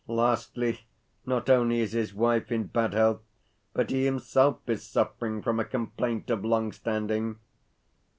Lastly, not only is his wife in bad health, but he himself is suffering from a complaint of long standing.